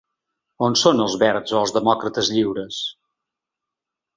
On són els verds o els demòcrates lliures?